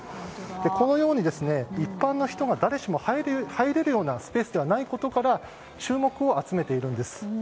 このように一般の人が誰しも入れるようなスペースではないことから注目を集めているんです。